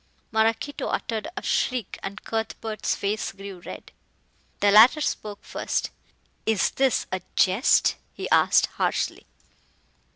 Maraquito uttered a shriek, and Cuthbert's face grew red. The latter spoke first. "Is this a jest?" he asked harshly.